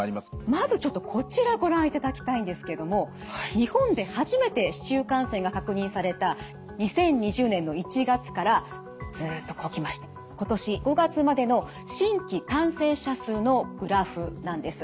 まずちょっとこちらご覧いただきたいんですけども日本で初めて市中感染が確認された２０２０年の１月からずっとこう来まして今年５月までの新規感染者数のグラフなんです。